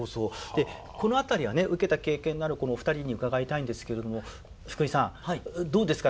でこの辺りはね受けた経験のあるこのお二人に伺いたいんですけれども福井さんどうですか？